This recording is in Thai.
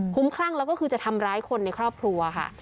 คุ้มคลั่งแล้วก็คือจะทำร้ายคนในครอบครัวค่ะ